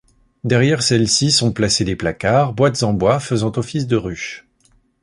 Derrière celles-ci sont placés des placards, boîtes en bois faisant office de ruches.